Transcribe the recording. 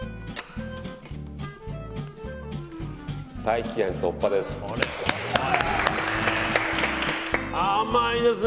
大気圏突破です。